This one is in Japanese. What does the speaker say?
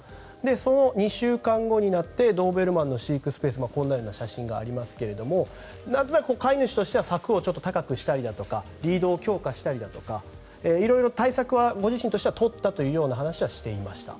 それから２週間後になってドーベルマンの飼育スペースこんな写真がありますけれどなんとなく飼い主としては柵を高くしたりとかリードを強化したりだとか色々、対策はご自身としては取ったという話をしていました。